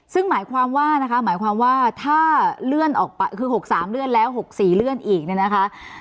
ซึ่งหมายความว่านะคะหมายความว่าถ้าเลื่อนออกไปคือ๖๓เลื่อนแล้ว๖๔เลื่อนอีกเนี่ยนะคะ